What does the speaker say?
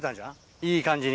いい感じに。